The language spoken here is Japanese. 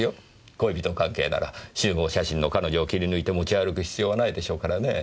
恋人関係なら集合写真の彼女を切り抜いて持ち歩く必要はないでしょうからねぇ。